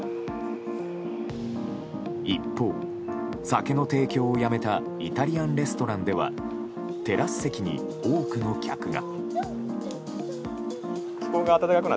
一方、酒の提供をやめたイタリアンレストランではテラス席に多くの客が。